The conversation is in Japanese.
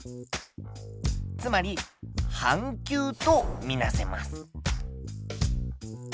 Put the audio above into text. つまり半球とみなせます。